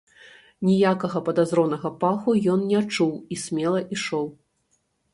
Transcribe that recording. Ніякага падазронага паху ён не чуў і смела ішоў.